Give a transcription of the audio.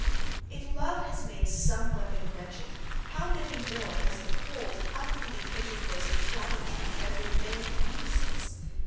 If love has made some women wretched how many more has the cold unmeaning intercourse of gallantry rendered vain and useless!